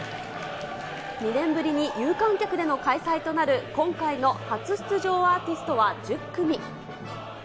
２年ぶりに有観客での開催となる今回の初出場アーティストは１０組。